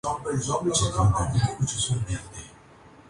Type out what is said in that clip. نئی monetary policy کا اعلان شرح سود فیصد پر برقرار رکھنے کا فیصلہ